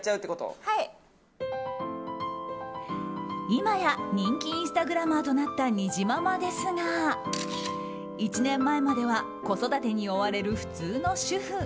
今や人気インスタグラマーとなったにじままですが１年前までは子育てに追われる普通の主婦。